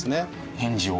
返事を？